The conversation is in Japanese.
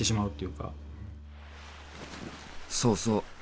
そうそう。